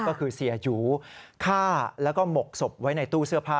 ก็คือเสียหยูฆ่าแล้วก็หมกศพไว้ในตู้เสื้อผ้า